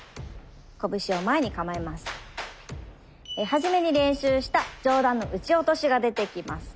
初めに練習した上段の打ち落としが出てきます。